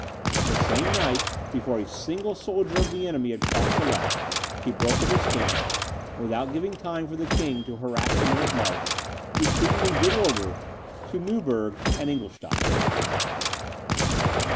The same night, before a single soldier of the enemy had crossed the Lech, he broke up his camp, and, without giving time for the King to harass him in his march, retreated in good order to Neuburgh and Ingolstadt.